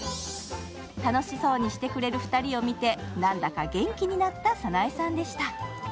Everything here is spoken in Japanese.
楽しそうにしてくれる２人を見て、何だか元気になった沙苗さんでした。